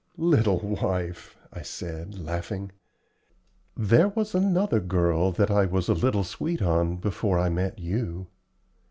"Little wife," I said, laughing, "there was another girl that I was a little sweet on before I met you.